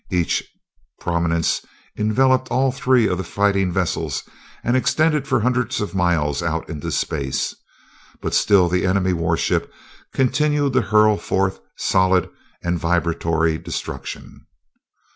Each prominence enveloped all three of the fighting vessels and extended for hundreds of miles out into space but still the enemy warship continued to hurl forth solid and vibratory destruction.